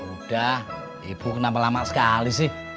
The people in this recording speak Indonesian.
udah ibu kenapa lama sekali sih